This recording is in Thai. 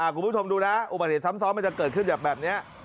คุณผู้ชมดูนะอุบัติเหตุซ้ำซ้อนมันจะเกิดขึ้นแบบนี้